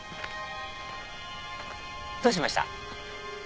どうしました？